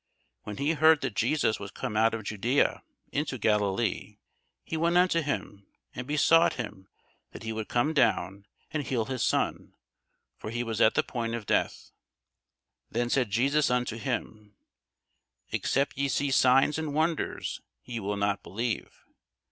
When he heard that Jesus was come out of Judæa into Galilee, he went unto him, and besought him that he would come down, and heal his son: for he was at the point of death. Then said Jesus unto him, Except ye see signs and wonders, ye will not believe.